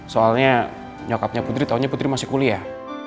soalnya nyokapnya putri tahunya putri masih kuliah